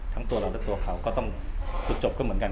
ตัวเราและตัวเขาก็ต้องจุดจบก็เหมือนกัน